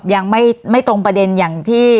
วันนี้แม่ช่วยเงินมากกว่า